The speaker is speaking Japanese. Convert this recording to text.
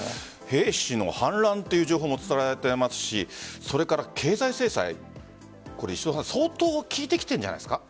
兵士の反乱という情報も伝えられていますし経済制裁相当効いてきているんじゃないですか。